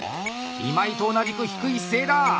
今井と同じく低い姿勢だ！